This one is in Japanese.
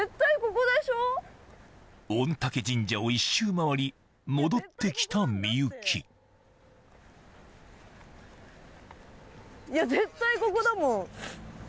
御嶽神社を１周回り戻って来た幸いや絶対ここだもん。